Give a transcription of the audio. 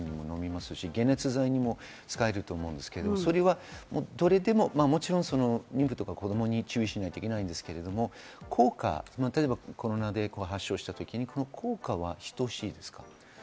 コロナに対して、ロキソニンは痛み、頭痛の時に飲みますし、解熱剤にも使えると思うんですけど、それはどれでも、もちろん妊婦・子供には注意しないといけないですが、効果、コロナで発症したときに効果は等しいですか？